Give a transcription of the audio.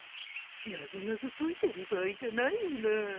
なぞなぞ解いてる場合じゃないよな